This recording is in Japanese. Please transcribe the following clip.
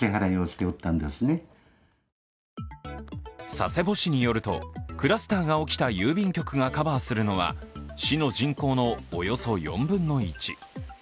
佐世保市によると、クラスターが起きた郵便局がカバーするのは市の人口のおよそ４分の１。